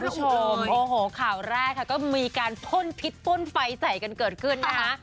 คุณผู้ชมโอ้โหข่าวแรกค่ะก็มีการพ่นพิษป้นไฟใส่กันเกิดขึ้นนะคะ